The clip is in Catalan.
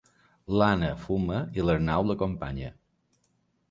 L'Anna fuma i l'Arnau l'acompanya.